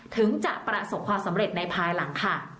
ถึงจะประสบความสำเร็จในภายหลังค่ะ